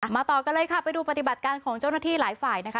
ต่อกันเลยค่ะไปดูปฏิบัติการของเจ้าหน้าที่หลายฝ่ายนะคะ